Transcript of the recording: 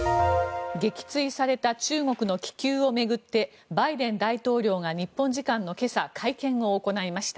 撃墜された中国の気球を巡ってバイデン大統領が日本時間の今朝会見を行いました。